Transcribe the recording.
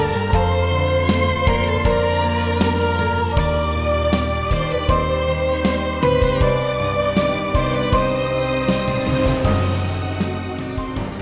dan di versi jauh lebih baik